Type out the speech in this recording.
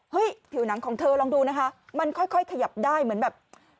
ผิวหนังของเธอลองดูนะคะมันค่อยขยับได้เหมือนแบบ